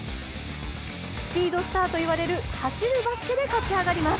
スピードスターといわれる走るバスケで勝ち上がります。